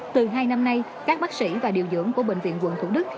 từ hai năm nay các bác sĩ và điều dưỡng của bệnh viện quận thủ đức